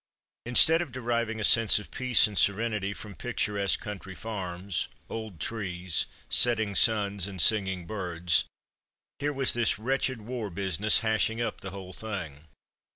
Instead of deriving a sense of peace and serenity from picturesque country farms, old trees, setting suns, and singing birds, here was this wretched war business hashing up the whole thing.